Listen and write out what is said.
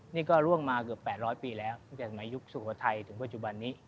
นี่ก็ร่วงมาเกือบ๘๐๐ปีแล้วตั้งแต่ในยุคสุโขทัยถึงปัจจุบันนี้